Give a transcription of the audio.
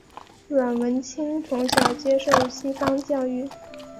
阮文清从小接受西方教育。